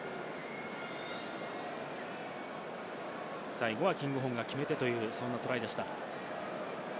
最後はキングホーンが決めてという、そんなトライでした。